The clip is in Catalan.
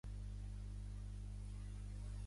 Duk-Duk només apareixia amb lluna plena.